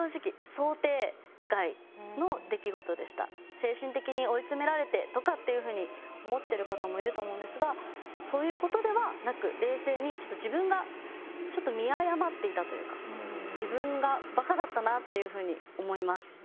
精神的に追い詰められてとかっていう風に思ってる方もいると思うんですがそういう事ではなく冷静に自分がちょっと見誤っていたというか自分がバカだったなっていう風に思います。